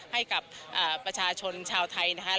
ให้กับประชาชนชาวไทยนะครับ